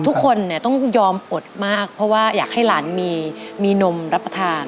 ทุกคนเนี่ยต้องยอมอดมากเพราะว่าอยากให้หลานมีนมรับประทาน